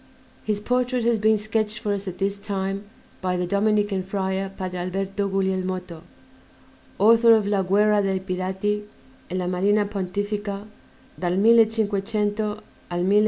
His portrait has been sketched for us at this time by the Dominican Friar, Padre Alberto Guglielmotto, author of "La guerra dei Pirati e la marina Pontifica dal 1500 al 1560."